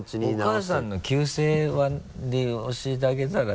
お母さんの旧姓で教えてあげたら？